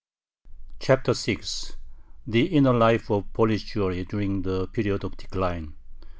CHAPTER VI THE INNER LIFE OF POLISH JEWRY DURING THE PERIOD OF DECLINE 1.